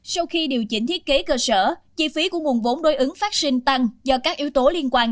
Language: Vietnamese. sau khi điều chỉnh thiết kế cơ sở chi phí của nguồn vốn đối ứng phát sinh tăng do các yếu tố liên quan